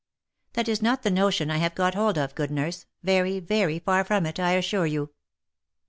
That is not the notion I have got hold of, good nurse, very, very far from it, I assure you.